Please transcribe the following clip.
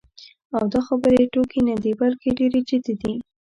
او دا خبرې ټوکې نه دي، بلکې ډېرې جدي دي.